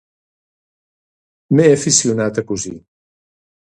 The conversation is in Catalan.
M'he aficionat a cosir.